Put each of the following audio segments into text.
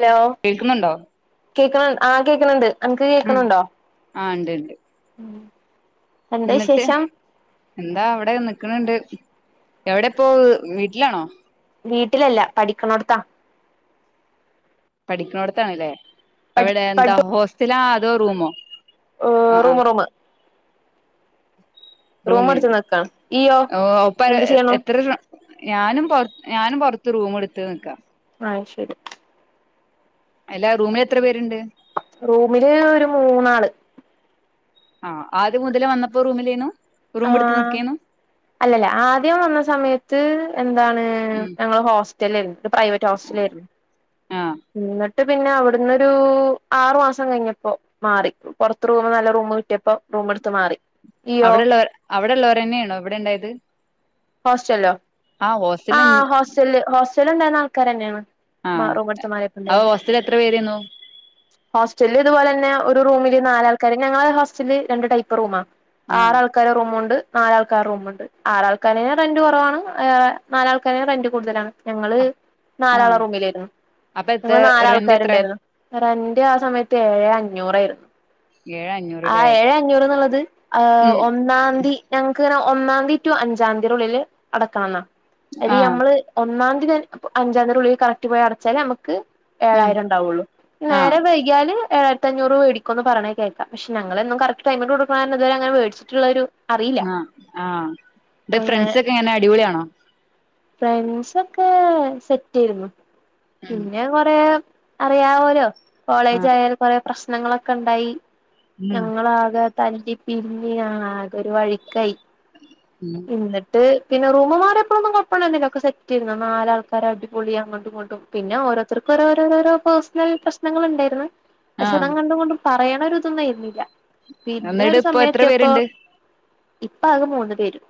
Hello കേൾക്കുന്നുണ്ടോ കേക്കണ് ആഹ് കേക്കണിണ്ട് അനക്ക് കേൾക്കണിണ്ടോ ആഹ് ഇണ്ട് ഇണ്ട് ഉം എന്നിട്ട് എന്താ അവിടെ നിക്കണിണ്ട് എവിടെപ്പോ വീട്ടിലാണോ വീട്ടിലല്ല പഠിക്കണോടത്താ പഠിക്കണോടത്താണല്ലേ പഠി എവടെ പഠി എന്താ ഹോസ്റ്റലാ അതോ റൂമോ ആ ആ റൂമ് റൂമ് റൂം റൂമി എടുത്ത് നിക്കാണ് ഇയ്യോ ഒപ്പ എന്ത് ചെയ്യണു എത്ര ഞാനും പൊറത്ത് ഞാനും പൊറത്ത് റൂമെട്ത്ത് നിക്കാ ആഹ് ശരി അല്ല റൂമിലെത്ര പേര്ണ്ട് റൂമില് ഒരു മൂന്നാള് ആ ആദ്യ മുതലേ വന്നപ്പോ റൂമിലേണു ആ റൂമ് എടുത്ത് നിക്കേന്നു അല്ലല്ല ആദ്യം വന്ന സമയത്ത് എന്താണ് ഉം ഞങ്ങള് ഹോസ് റ്റലേന്നു പ്രൈവറ്റ് ഹോസ്റ്റലെന്നു ആ ഇന്നാ ന്ന്ട്ട് പിന്നെ അവിടുന്ന് ഒരു ആറു മാസം കഴിഞ്ഞപ്പോ മാറി പൊറത്ത് റൂമ് നല്ല റൂമ് കിട്ടിയപ്പോ റൂമടുത്ത് മാറി ഇയ്യോ അവിടെള്ളോർ അവിടെള്ളവർന്നെയാണോ ഇവിടെ ഇ ണ്ടായത് ഹോസ്റ്റലോ ആ ഹോസ്റ്റല് ഹോസ്റ്റല് ഹോസ്റ്റല ഉണ്ടായിുന്ന ആൾക്കാര് തന്നെയാണ് ആ മാറു റൂമടുത്തു മാറിയപ്പൊ അപ്പൊ ഇണ്ടായിന്നെ ഹോസ്റ്റല് എത്ര പേരേന്നു ഹോസ്റ്റല് ഇതുപോലെ തന്നെ റൂമില് നാലാൾക്കാര ഞങ്ങ ഹോസ്റ്റലിൽ രണ്ട് ടൈപ്പ് റൂമാ ആണ് ആ ആറ് ആൾക്കാരെ റൂമും ഉണ്ട് നാലാൾക്കാർ റൂമുണ്ട് ആറാൾക്കാരും റന്റ് കുറവാണ് നാലാൾക്കാരെ റെന്റ് കൂടുതലാണ് ഞങ്ങള് ആ നാലാള റൂമിലായിരുന്നു അപ്പൊ എത്ര ഞങ്ങള് റെന്റ് എത്ര നാലാൾക്കാരുണ്ടായിരുന്നു വേറെ ആരിനിം ആ സമയത്ത് ഏഴ് അഞ്ഞൂറായിരുന്നു ഏഴ് ആ അഞ്ഞൂറ്ല്ലേ ഏഴ് അഞ്ഞൂറ്ന്നുള്ളത് ആ ഉം ഒന്നാംതി ഞങ്ങക്ക്ങ്ങനെ ഒന്നാംതീ ടു അഞ്ചാം തീയതിയുടെ ഉള്ളില് അടക്കണന്ന അ ആഹ് നമ്മള് ഒന്നാം അഞ്ചാതിടെ ഉള്ളിൽ കറക്റ്റ് പോയി അടച്ചാല് നമുക്ക് ഉം ഏഴായിരം ഉണ്ടാവയുള്ളൂ നേരെ ആഹ് വൈകിയാല് ഏഴായിരത്തി അഞ്ഞൂറ് രൂപ മേടിക്കുംന്ന് പറഞ്ഞേക്ക പക്ഷെ ഞങ്ങളന്നും കറക്റ്റ്ടൈമിൽ കൊടുക്കണ ഇവ അനെ മേടിച്ചിട്ടുള്ളൊരു ആ ആ ട്ട് ഫ്രണ്ട്സ് ഒക്കെ എങ്ങനെ അടിപൊളിയാണോ ഫ്രണ്ട്സ് ഒക്കെ സെറ്റ് ആയിരുന്നു ഉം പിന്നെ കൊറേ അറിയാവോലോ കോളേജ് ആഹ് ആയാൽ കൊറേ പ്രശ്നങ്ങളൊക്കെ ഉണ്ടായി ഉം ഞങ്ങളാകെ തല്ലി പിരിഞ്ഞി ആകെ ഒരു വഴിക്കായി ഉം എന്നിട്ട് പിന്നെ റൂമ് മാറിയപ്പോഴൊന്നുംകൊ ഴപ്പമിണ്ടായിന്നില്ല ഒക്കെ സെറ്റ് ആയിന്നു നാലാൾക്കാര അടിപൊളിയാ അങ്ങട്ടും ഇങ്ങട്ടും പിന്നെ ഓരോത്തർക്കും ഓരോരോരോരോ പേഴ്സണൽ പ്രശ്നങ്ങൾ ഉണ്ടായിരുന്നു പക്ഷേ ആഹ് അതങ്ങട്ടും ഇങ്ങണ്ടും പറയണ ഒരു ഇതൊന്നും ഇരുന്നില്ല പിന്നെ എന്നിട്ട് ഒരു ഇപ്പൊ എത്ര സമയത്തിയപ്പൊ പേരുണ്ട് ഇപ്പ ആകെ മൂന്ന് പേരും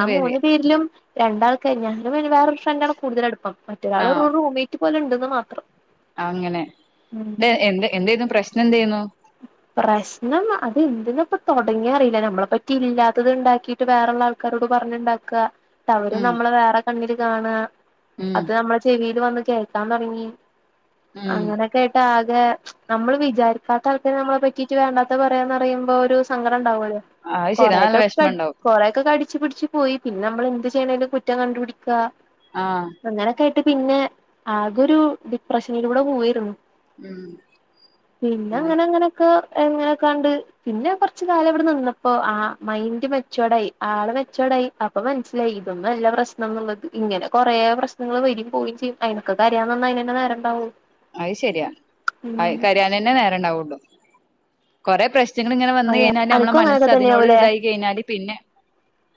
ആ മൂന്ന് പേരിലും രണ്ടാൾക്കായി ഞാനും വേറെരു ഫ്രണ്ട്ആ ണ് കൂടുതൽ അടുപ്പം മറ്റൊരാൾ ആഹ് റൂംമേറ്റ് പോലെ ഉണ്ടന്ന് മാത്രം അങ്ങനെ ഉം എന്ത എന്തേന്നു പ്രശ്നം എന്തേന്നു പ്രശ്നം അത് എന്തിനപ്പ തുടങ്ങിയത റിയില്ല നമ്മളെ പറ്റി ഇല്ലാത്തത് ഇ ണ്ടാക്കിയിട്ട് വേറള്ള ആൾക്കാരോട് പറഞ്ഞുണ്ടാക്ക ന്നിട്ട് അവര് ഉം നമ്മളെ വേറെ കണ്ണില് കാണാ ഉം അത് നമ്മളെ ചെവിയിൽ വന്ന് കേക്കാൻ തുടങ്ങി ഉം അങ്ങനെയൊക്കെ ആയിട്ട് ആകെ നമ്മള് വിചാരിക്കാത്ത ആൾക്കെ നമ്മളെ പറ്റിയിട്ട് വേണ്ടാത്ത പറയാന്ന് പറയുമ്പോ ഒരു സങ്ക ടം ണ്ടകോലോ അത് ശെരി അത് നല്ല കൊറക്കെ ക വെഷമണ്ടാവും കൊറേക്കെ കടിച്ചു പിടിച്ച് പോയി പിന്നെ നമ്മൾ എന്ത് ചെയ്യണലും കുറ്റം കണ്ടുപിടിക്കുക ആഹ് അങ്ങനെക്കെ പിന്നെ ആകെ ഒരു ഡിപ്രഷനിലൂടെ പോയിരുന്നു ഉം പിന്നെ അങ്ങനെ അങ്ങനെയൊക്കെ എങ്ങനെക്കാണ്ട് പിന്നെ കൊറച്ച കാലം ഇവിടെ നിന്നപ്പോ ആ മൈൻഡ് മെച്ചോർഡ് ആയി ആള് മെച്ചയോർഡ് അപ്പൊ മനസ്സിലായി ഇതൊന്നുംല്ല പ്രശ്നം എന്നുള്ളത് ഇങ്ങനെ കൊറേ പ്രശ്നങ്ങൾ വരകയും പോവയും ചെയ്യും അയ്നൊക്കെ കരയാൻന്ന അയിനെന്നെ നേരം ഇണ്ടാവു അത് ശരിയാ കരയാനന്നെ നേര ഉണ്ടാവുള്ളൂ കൊറെ പ്രശ്നം ച്ചങ്ങ ഇങ്ങനെ വന്ന കഴിഞ്ഞാല് നമ്മളുടെ അനക്കും മനസ്സ് അങ്ങനൊക്കെ അതിനോട് തന്നെയാവൂലേ ഇതായി കഴിഞ്ഞാല് പിന്നെ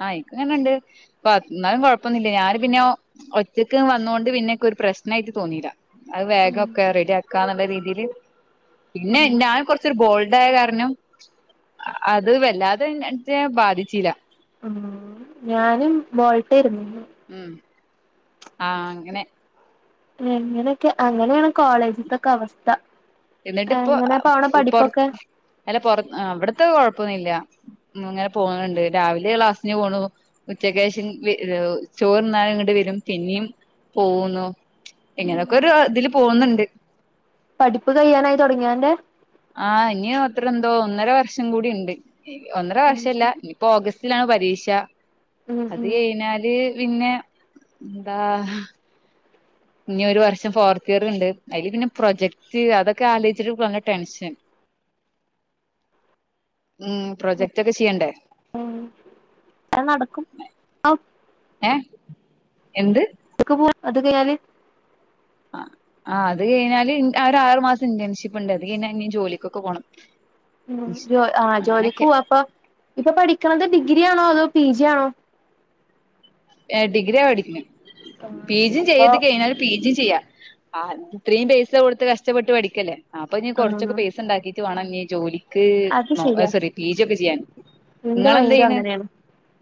ആഹ ഇക്ക്ങ്ങനെണ്ട് അപ്പൊ എന്നാലും കുഴപ്പന്നില്ല ഞാന് പിന്നെ ഒറ്റക്ക് വന്നൊണ്ട് പിന്നെക്കെ ഒരു പ്രശ്ന പ്രശ്നമായിട്ട് തോന്നിയില്ല അത് ഉം വേഗംഒക്കെ റെഡി ആക്കുകന്നുള്ള രീതിയിൽ പിന്നെ ഉം ഞാൻ കുറച്ചൊരു ബോൾ ഇതായ കാരണം അത് വല്ലാതെ എന്ന ബാധിച്ചില്ല ഉം ഞാനും ബോൾട്ടായിരുന്നു ഉം ആഹ അങ്ങനെ എങ്ങനെയൊക്കെ അങ്ങനെയാണ് കോളേജത്തൊക്കെ അവസ്ഥ എന്നിട്ട് ഇപ്പൊ എങ്ങനെ അ പോണ പഠിപ്പൊക്കെ പൊറ പൊറത്ത് അവിടത്തെ കൊഴപ്പൊന്നില്ല ഉ അങ്ങനെ പോവുന്നുണ്ട് രാവിലെ ക്ലാസ്സിന് പോണു ഉച്ചക്ക്ശേഷം ചോറ്ന്നാലും വരും പിന്നെയും പോകുന്നു ഇങ്ങനെയൊക്കെ ഒരു ഇതില് പോകുന്നുണ്ട് പഠിപ്പ് കയ്യാനായി തുടങ്ങിയന്റെ ആ ഇനി അത്ര എന്തോ ഒന്നര വർഷം കൂടി ഉണ്ട് ഒന്നര വർഷംഅല്ല ഇനിയിപ്പോ ഓഗസ്റ്റിലാണ് പരീക്ഷ ഉം അത് ഉം കഴിഞ്ഞാല് പിന്നെ എന്താ ഇനി ഒരു വർഷം ഫോർത്ത് ഇയർ ഉണ്ട് അതില് പിന്നെ പ്രൊജക്ട് അതൊക്കെ ആലോചിച്ചിട്ട് നല്ല ടെൻഷൻ [inaudible] ഉം പ്രൊജക്റ്റ് ഒക്കെ ചെയ്യണ്ടേ അത് നടക്കും ഏ എന്ത് ഇതൊക്കെ പോവാൻ അത് കഴിഞ്ഞാല് ആ ആ അത് കഴിഞ്ഞാല് ഒരു ആറുമാസം ഇന്റേൺഷിപ്പ് ഉണ്ട് അത് കഴിഞ്ഞാൽ ഇ ജോലിക്കൊക്കെ പോകണം ഉ ആ ജോലിക്ക പോ അപ്പ ഇപ്പൊ പഠി ഡിഗ്രി ആണോ അതോ പി ജി ആണോ ഡിഗ്രിയ പഠിക്കുന്നു പി ജിയും അപ്പൊ ചെയ്ത് കഴിഞ്ഞാല് പി ജിയും ചെയ്യ ആ ഇത്രയും പൈസ കൊടുത്ത് കഷ്ടപ്പെട്ട് പഠിക്കല്ലേ അപ്പൊ ഇ ആ കൊറച്ചൊക്കെ പൈസ ഉണ്ടാക്കി വേണങ്കിൽ ജോലിക്ക് അത് ശരിയാ സോറി പിജി ഒക്കെ ചെയ്യാൻ എന്റെ നിങ്ങളെന്ത് മൈൻഡും ചെയ്യണ് അങ്ങനെയാണ്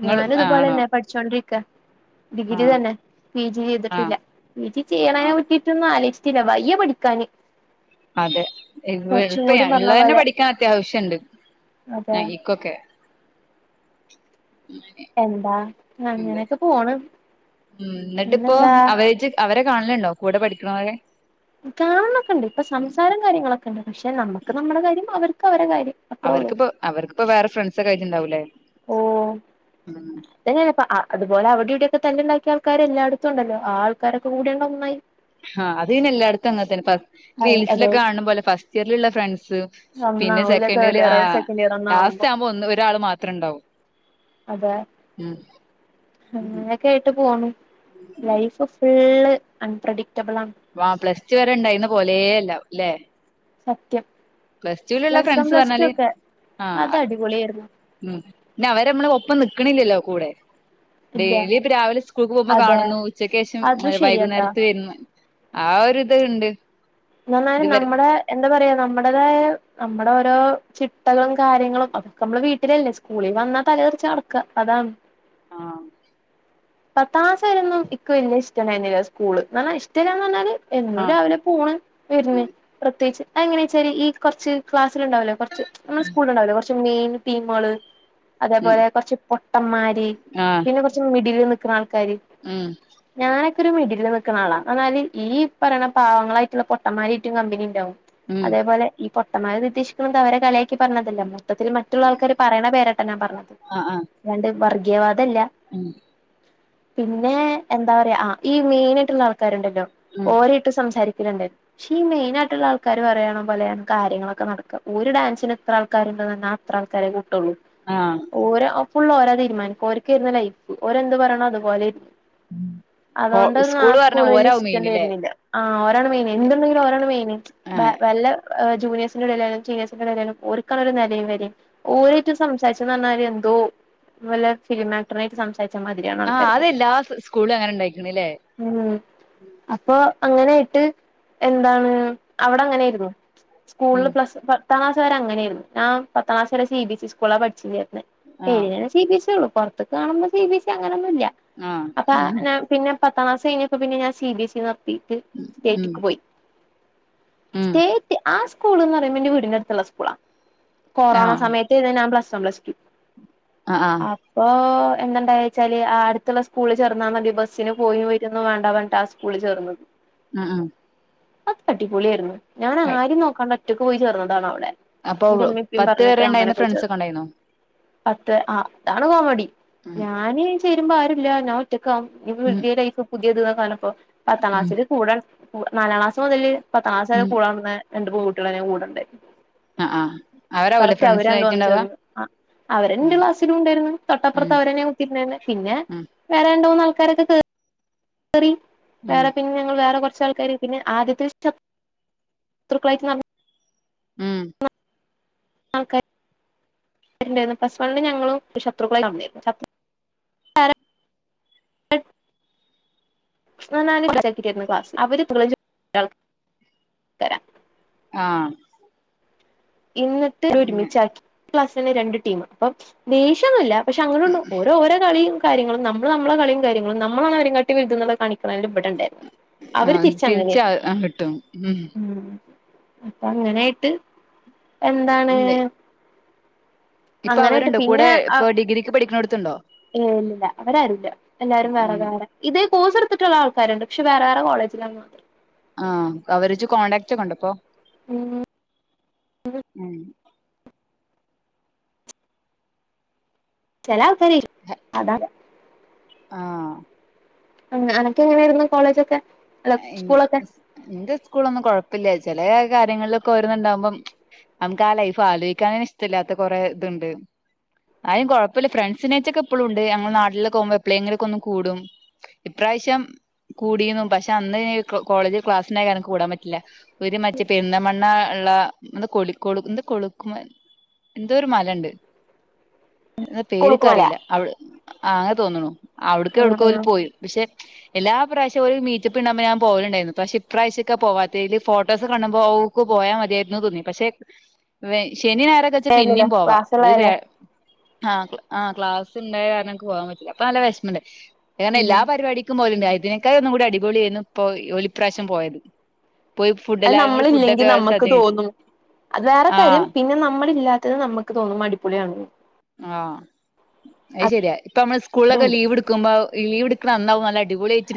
നിങ്ങള് ഞാനും ആണോ ഇതുപോലെന്നെ പഠിച്ചോണ്ടിരിക്ക ആ ഡിഗ്രി തന്നെ പി ജി ആ ചെയ്തിട്ടില്ല പി ജി ചെയ്യണ ആ പറ്റിട്ടൊന്നും ആലോച ന്ന വയ്യ പഠിക്കാന് അതെ കുറച്ചും എളുപ്പയാ കൂടി പറഞ്ഞ ഉള്ളതന്നെ പോലെ പഠിക്കാൻ അത്യാവശ്യമുണ്ട് അതെ തനിക്കൊക്കെ എന്താ ഉണ്ട് അങ്ങനൊക്കെ പോണ് ഉം എന്നിട്ട് ഇപ്പോ പിന്നെന്താ അവജ് അവരെ കാണലണ്ടോ കൂടെ പഠിക്കണവരെ കാണോക്കെ ഉണ്ട് ഇപ്പൊ സംസാരം കാര്യങ്ങളൊക്കെ ഉണ്ട് പക്ഷെ നമ്മുക്ക് നമ്മുടെ കാര്യം അവർക്ക് അവരുടെ കാര്യം അത്രേ ഉള്ളൂ അവർക്കിപ്പോ അവർക്കി പ്പോ വേറെ ഫ്രണ്ട്സ ഒക്ക ആയിട്ടുണ്ടാകും അല്ലെ ഓ അതന്നെയ അപോലെ അവിടെ ഇവിടെയക്കെ തല്ലു ണ്ടാക്കിയ ആൾക്കാര് എല്ലായിടത്തും ഉണ്ടല്ലോ ആൾക്കാരൊക്കെ കൂടിയണ്ട ഒന്നായി ആ അത് പിന്നെ എല്ലായിടത്തും അങ്ങത്തന്നെ അതെ അതെ റീൽസിലൊക്കെ കാണും പോലെ ഫസ്റ്റ് ഇയറിലുള്ള ഫ്രണ്ട്സ് പിന്നെ ഒന്നാവൂല സെക്കന്റ്‌ തേർഡ് ഇയർ ആ സെക്കൻഡ് ഇയർ ഒന്നും ലാസ്റ്റ് ആവുമ്പോ ഒന്ന് ഒരാള് മാത്രം ഇണ്ടാവൂ അതെ അങ്ങനെയൊക്കെ ആയിട്ട് പോണു ലൈഫ് അൺപ്രഡിക്ട് ആ പ്ലസ് ടു വരെ ഇണ്ടായിരുന്ന ഇന്ന് പോലെ അല്ല അല്ലെ സത്യം പ്ലസ്ടുവിലുള്ള plus one friends plus two പറഞ്ഞാല് ഒക്കെ ആ അത് അടിപൊളിയായിരുന്നു അവരമ്മള ഒപ്പം നിൽക്കണില്ലല്ലോ കൂടെ ഇല്ല ഡെയിലി ഇപ്പ രാവിലെ സ്കൂൾക്ക് പോകുമ്പോൾ അതെ കാണുന്നു ഉച്ചക്ക് ശേഷം അത് ശരിയാട്ടാ വൈകുന്നേരത്ത് വരുന്നു ആ ഒ ഒരു ഇതു ഉണ്ട് എന്നാലും ഇതുവരെ നമ്മുടെ എന്താ പറയാ നമ്മടേതായ നമ്മുടെ ഓരോ ചിട്ടകളും കാര്യങ്ങളും അതൊക്കെ നമ്മള് വീട്ടിലല്ലേ സ്കൂളിൽ വന്ന തല നടക്ക അതാണ് ആ പത്താ ക്ലാസായിരുന്നന്നും ഇക്ക് വല്യ ഇഷ്ടണ്ടായിരുന്നില്ല സ്കൂള് എന്ന ഇഷ്ടമല്ലാന്ന് പറഞ്ഞാല് എന്നും ആഹ് രാവിലെ പോണ് വരുന്നു പ്രത്യേകിച്ച് അങ്ങനെച്ചാരി ഈ കൊറച്ച് ക്ലാസ് ഉണ്ടാകുമല്ലോ കൊറച്ച് നമ്മളെ സ്കൂൾ ഉണ്ടാവല്ലോ കൊറച്ച് മെയിൻ ടീമുകള് ഉം അതേപോലെ കൊറച്ച് മുട്ടന്മാര് ആഹ് പിന്നെ കൊറച്ചു മിഡിലിൽ നിക്കുന്ന ആൾക്കര് ഉം ഞാൻ ഒരു മിഡിലിൽ നിൽക്കുന്ന ആള എന്നാല് ഈ പറയണ പാവങ്ങളായിട്ടുള്ള പൊട്ടന്മാരായിട്ടും കമ്പനി ഉണ്ടാവും ഉം അതേപോലെ ഈ പൊട്ടമാ ഉദ്ദേശിക്കുന്നത് അവരെ കളി യാക്കി പറഞ്ഞതല്ലമ്മോ മൊത്തത്തിൽ മറ്റുള്ള ആൾക്കാര് പറയണ പേരട്ടാണ് ഞാൻ പറഞ്ഞത് ആഹ് ആഹ് അതാണ്ട് വർഗീയവാദം അല്ല ഉം പിന്നെ എന്താ പറയാ ഈ മെയിൻ ആയിട്ടുള്ള ആൾക്കാരുണ്ടല്ലോ ഉം ഓര ഇട്ടും സംസാരിക്ക ഇ രണ്ട് പക്ഷെ ഈ മെയിൻായിയിട്ടുള്ള ആൾക്കാാര് പറയണ പോലെയാണ് കാര്യങ്ങളൊക്കെ നടക്കുക ഒരു ഡാൻസിന് ഇത്ര ആൾക്കാരുണ്ട് പറഞ്ഞ അത്ര ആൾക്കാരെ കൂട്ടൊള്ളൂ ആഹ് ഫുുള്ള് ഓരാ തീരുമാനിക്കും ഓൻക്കെ ലൈഫ് ഓരെന്ത് പറയണം അതുപോലെ കോ അതുകൊണ്ട്ന്ന് ആ പറഞ്ഞ സ്കൂള് വല്ല്യ ഓരാവും മെയിനില്ലേ ഇഷ്ടണ്ടിരുന്നില്ല ആ ഒരാണ് മെയ്ൻ എന്ത്ണ്ടെങ്കിലും ഓരാണ് മെയിൻ ആ ജൂനിയേഴ്സിന്റെ ടെലായാലും സീനിയേ്സിന്റെടെലായാലും ഓൽക്കാണ് നിലയും വെലം ഓലായിട്ട് സംസാരിച്ച പറഞ്ഞാൽ എന്തോ നല്ല ഫിലിമാക്ടറിയി സം തയച്ചമാതിരിയാണ് ആ ആൾക്കാർക്കൊക്കെ അതെല്ലാ സ്കൂളും അങ്ങനെ ഉണ്ടായിക്കണല്ലേ ഉം അപ്പൊ അങ്ങനൊയിട്ട് എന്താണ് അവിടെ അങ്ങനൊയിരുന്നു സ്കൂളില് ഉം പ്ലസ് പത്താംക്ാസ് വരെങ്ങനെയായിരുന്നു പത്താംക്ലാസ് വരെ സി ബി എസ് ഇ സ്കൂളാണ് പഠിച്ചുേരുന്നേ ആ സി ബിസ് ഇ ഉള്ളു പുറത്തേക്ക് കാണുമ്പോ സി ബി എസ് സി അങ്ങനെയൊന്നും ഇല്ല ആ അപ്പൊ പിന്നെ പത്താം ക്ലാസ് കഴിഞ്ഞ് അ പിന്നെ ഞാൻ സി ബി എസ് ഇ നടത്തിട്ട് ഉം സ്റ്റേറ്റ്ക്ക് പോയി ഉം സ്റ്റേറ്റ് ആ സ്കൂൾ എന്ന് പറയുമ്പോ എന്റെ വീടിന്ന ടുത്തുള്ള സ്കൂളാ ആ കൊറോണ സമയത്ത് ഞാൻ പ്ലസ്വൺ പ്ലസ്ടു ആ ആ അപ്പൊ എന്തൊ വച്ചാല് അടുത്തുള്ള സ്കൂിൽ ചേർന്നാൽ മതി ബസ്സിന് പോ പോയിട്ടൊന്ന വേണ്ട വേണ്ടി ആ സ്കൂിൽ ചേർന്നത് ഉം ഉം അത് അടിപൊളി ആായിരുന്നു ഞാൻ ആരും നോക്കാണ്ട് ഒറ്റക്ക് പോയി ചേർന്നതാണോ അവിടെ അപ്പൊ എന്റെ ഇമ്മി ഇ പ്പിം പത്ത് പേരെ പറഞ്ഞിട്ട് അങ്ങനെ ഉണ്ടായിരുന്ന പോയി ഫ്രണ്ട്സ് ചേർന്ന് ഒക്കെ ഉണ്ടായിരുന്നോ പത്ത് ആ അതാണ് കോമഡി ഉം ഞാന് ചരുമ്പോ ആരുല്ല ഞാൻ ഒറ്റക്ക് ഉം പുതിയ ലൈഫ് പുതിയത്പ്പോ പത്താം ഉം ക്ലാസ്സിൽ കൂട നാലാം ക്ലാസ് മുതല് പത്താംക്ലാസ് വരെ ഉം കൂടെ നടന്ന രണ്ട് പെൺകുട്ട്യാളെന്നെ കൂടെ ഇണ്ടായി ആഹ് ആഹ് കറക്റ്റ് അവരണ്ടോ വന്ന് ചേർന്ന് അവരെൻ്റെ ഉം ക്ലാസ്സിലും ഉണ്ടായിരുന്നു ഉം തൊട്ടപ്പുറത്ത് അവരന്നെ കുത്തിരുന്നെ കുത്തിയിരുന്നെ പിന്നെ ഉം വേറെ രണ്ട് മൂന്ന് ആൾക്കാരൊക്കെ ചേർന്ന് ഉം വേറെ പിന്നെ ഞങ്ങള് വേറെ ആൾക്കാര് പിന്നെ ആദ്യത്തെ ശരുക്കളായിട്ട് ഉം ആൾക്കാര് ണ്ടായി പ്ലസ് വണില് ഞങ്ങള് ശത്രുക്കളായി നടന്നിരുന്നു [unintelligible] പറഞ്ഞാൽ [unintelligible] ക്ലാസ് അവര്ളൾ തരാ ആഹ് ഇന്നത്തെ ഒരുമിച്ചാക്കി ക്ലാസ്സി തന്നെ രണ്ട് ടീം അപ്പം ദേഷ്യന്നുല്ല പക്ഷെ അങ്ങനെയണ്ട് ഒര് ഓരോ കളും കാര്യങ്ങളും നമ്മ നമ്മുടെ കളിയും കാര്യങ്ങളും നമ്മളാണ് അവരെക്കാട്ടി വലുതെന്നു കാണി ഇവടെണ്ടായിരുന്നു ആ അവര് തിരിച്ച് അങ്ങനെയാരുന്നു ആ കിട്ടും ഉം അപ്പൊ അങ്ങനായിട്ട് എന്താണ് ഇപ്പൊ അങ്ങനായിട്ട് അവരുണ്ടോ പിന്നെ കൂടെ ഇപ്പൊ ഡിഗ്രിക്ക് പഠിക്കണടുത്തുണ്ടോ ഇല്ലില്ല അവരാരുല്ല എല്ലാരും വേറെ വേറെ ഇത് കോഴ്സ് എടുത്തിട്ടുള്ള ആൾക്കാരുണ്ട് പക്ഷേ വേറെ വേറെ കോളേജിലാന്ന് മാത്രം ആഹ അവര്ജ കോണ്ടാക്റ്റ് ഉണ്ടോ ഇപ്പൊ ഉം ചെല ആൾക്കാർ ചെയ്യും ആഹ് അനൊക്കെ എങ്ങനെയായിരുന്നു കോളേജൊക്കെ അല്ല സ്കൂളൊക്കെ എന്റെ സ്കൂളൊന്നും കൊഴപ്പില്ല ചില കാര്യങ്ങളിലൊക്കെ ഓരോന്നുണ്ടാവുമ്പം നമുക്ക് ആ ലൈഫ് ആലോചിക്കാനന് ഇഷ്ടല്ലാത്ത കൊറെ ഇതുണ്ട് ആരും കുഴപ്പമില്ല ഫ്രണ്ട്സിനേച്ചൊക്കെ എപ്പഴും ഉണ്ട് ഞങ്ങൾ നാട്ടിലൊക്ക പോകുമ്പോ എക്കോപോഴെങ്കിലുമൊക്കെ കൂടും ഇപ്രാവശ്യം കൂടിയും പക്ഷെ പക്ഷെ അന്ന് ഇ കോളേജ് ക്ലാസിന എന്ക്ക് കൂടാൻ പറ്റില്ല ഒരു മറ്റേ പെരുന്തമണ്ണ ഉള്ള എന്ത കൊളി കൊളു എ കൊളുക്കുമ എന്തോ ഒരു മല ഉണ്ട് എന്നാ കുളുക്കുമല പേര്ക്കറിയില്ല അവ് അങ്ങനെ തോന്നണു. അവിട്ക് എവ്ട്കോ ആഹ് ഓല് പോയി പക്ഷെ എല്ലാ പ്രാവശ്യം ഓല് മീ റ്റപ്പുണ്ടാവുമ്പോ ഞാൻ പോലണ്ടായിരുന്നു പക്ഷെഇപ്രാവശ്യ ഒക്കെപോവാത്തീല് പോവാത്തതില് ഫോട്ടോസ് കണ്ടമ്പോക്ക് പോയാ മതിയായിരുന്നു തോന്നി പക്ഷെ ശെനി ഞായർ ഒക്കെ ച്ചാ ആഹ് ല്ലല്ലോ പിന്നീപോവാ ഇത് വേ ക്ലാസ്സുള്ളതല്ലേ ആഹ് ആഹ ക്ലാസ്ണ്ടായ കാരണക്ക് പോവാൻ പറ്റില്ല അപ്പൊ നല്ല വിഷമമുണ്ട് കാരണം ഉം എല്ലാ പരിപാടിക്കും പോകലുണ്ട് അതിനേകായിം ഒന്നും കൂടി അടിപൊളി ആയിരുന്നു ഇപ്പോ ഒലിപ്രാവശ്യം പോയത്. പോയി ഫുഡ് അത് എല്ലാരും കൂടി നമ്മളില്ലെങ്കിൽ ഫുഡൊക്കെ നമുക്ക് സദ്യ കഴിച്ച് തോന്നും അത് വേറെ ആ കാര്യം പിന്നെ നമ്മളില്ലാ ത്തത് നമുക്ക് തോന്നും അടിപ്പൊളിയാണ്. ആഹ അത് ശരിയാ ഇപ്പ നമ്മൾ സ്കൂളിലൊക്കെ അതുണ്ട് ലീവ് എടുക്കുമ്പോ ലീവ് അന്നാവും നല്ല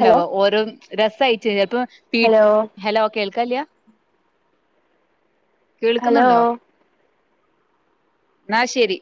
ഹലോ ഓരോ രസം ആയിട്ട് ചെല്പം പീ ഹലോ ഹെലോ കേൾക്കാ കല്യാ ഹലോ കേൾക്കുന്നുണ്ടോ? എന്നാ ശേരി.